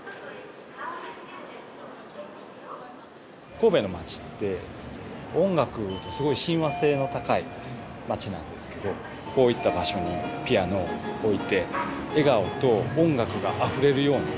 神戸の街って音楽とすごく親和性の高い街なんですけどこういった場所にピアノを置いて顔はいい？